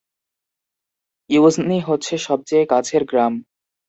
ইউঝনি হচ্ছে সবচেয়ে কাছের গ্রাম।